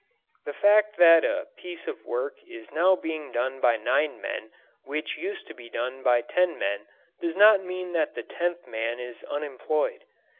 The fact that a piece of work is now being done by nine men which used to be done by ten men does not mean that the tenth man is unemployed.